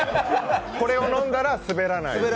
これを飲んだらスベらない。